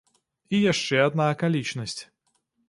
І яшчэ адна акалічнасць.